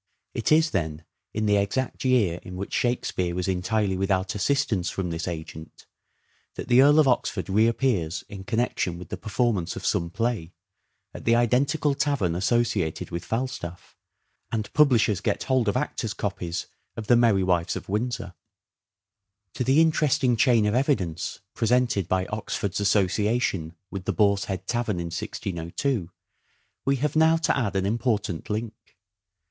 It is then in the exact year in which " Shakespeare " was entirely without assistance from this agent, that the Earl of Oxford reappears in connection with the performance of some play, at the identical tavern associated with Falstaff ; and publishers get hold of actors' copies of "The Merry Wives of Windsor." Oxford and To the interesting chain of evidence presented by the Queen's Oxford's association with the Boar's Head Tavern in Company. 1602 we have now to add an important link.